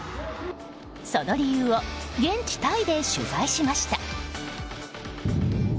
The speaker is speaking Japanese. その理由を現地タイで取材しました。